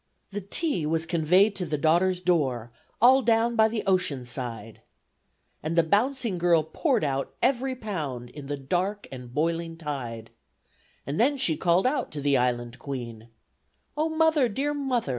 The tea was conveyed to the daughter's door, All down by the ocean side, And the bouncing girl poured out every pound In the dark and boiling tide, And then she called out to the Island Queen, "Oh! Mother! Dear Mother!"